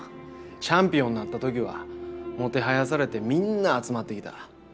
チャンピオンになった時はもてはやされてみんな集まってきた。